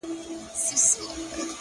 • زه هم دا ستا له لاسه؛